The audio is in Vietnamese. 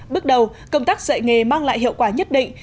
bước đầu công tác dạy nghề mang lại hiệu quả nhất định